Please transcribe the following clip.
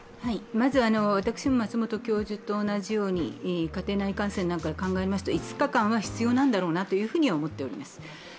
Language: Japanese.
まず、私も松本教授と同じように家庭内感染なんかを考えますと５日間は必要なんだろうなというふうに思っております。